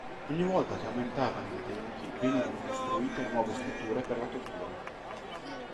Ogni volta che aumentavano i detenuti venivano costruite nuove strutture per la tortura.